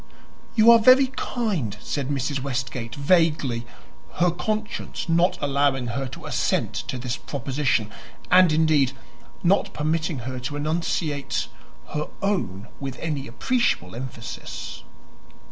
"You are very kind," said Mrs. Westgate, vaguely her conscience not allowing her to assent to this proposition and, indeed, not permitting her to enunciate her own with any appreciable emphasis.